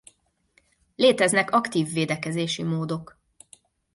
Léteznek aktív védekezési módok.